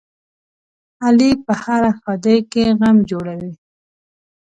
علي په هره ښادۍ کې غم جوړوي.